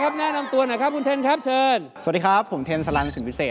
ติ๊บอยากดูธนาคารเขาก่อน